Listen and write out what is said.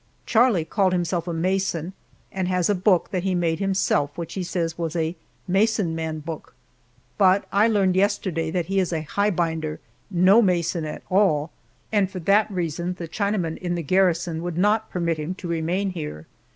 Charlie called himself a mason, and has a book that he made himself which he said was a "mason man blook," but I learned yesterday that he is a "high binder," no mason at all, and for that reason the Chinamen in the garrison would not permit him to remain here.